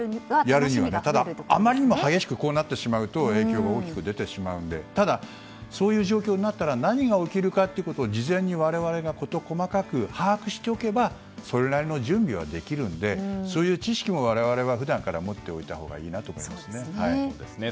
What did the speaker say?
ただ、あまりにも激しくなってしまうと影響が大きく出てしまうのでただ、そういう状況になると何が起きるかというのを事前に我々が事細かく把握しておけばそれなりの準備はできるのでそういう知識も我々は普段から持っておいたほうがいいなと思いますね。